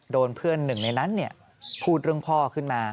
โดนเพื่อนหนึ่งในนั้นพูดเรื่องพ่อขึ้นมา